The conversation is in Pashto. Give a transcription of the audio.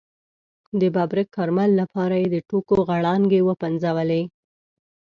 د ببرک کارمل لپاره یې د ټوکو غړانګې وپنځولې.